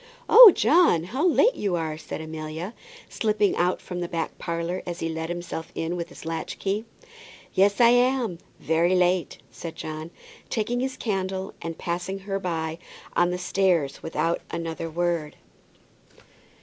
"Oh, John, how late you are!" said Amelia, slipping out from the back parlour as he let himself in with his latch key. "Yes, I am; very late," said John, taking his candle, and passing her by on the stairs without another word.